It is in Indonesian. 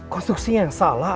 konstruksinya yang salah